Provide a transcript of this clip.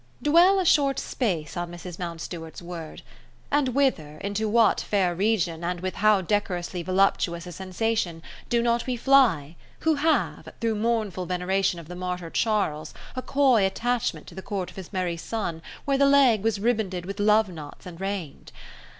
Dwell a short space on Mrs. Mountstuart's word; and whither, into what fair region, and with how decorously voluptuous a sensation, do not we fly, who have, through mournful veneration of the Martyr Charles, a coy attachment to the Court of his Merrie Son, where the leg was ribanded with love knots and reigned.